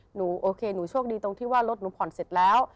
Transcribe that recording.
หนูโอเคหนูโชคดีตรงที่ว่ารถหนูผ่อนเสร็จแล้ว